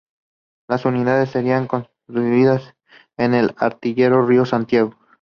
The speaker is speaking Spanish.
Las unidades serían construidas en el Astillero Río Santiago.